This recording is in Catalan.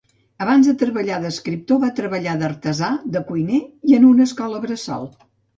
Abans de treballar d'escriptor va treballar d'artesà, de cuiner, i en una escola bressol.